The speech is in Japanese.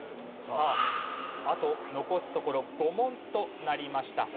あと残すところ５問となりました。